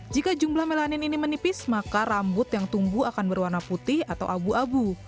jika jumlah melanin ini menipis maka rambut yang tumbuh akan berwarna putih atau abu abu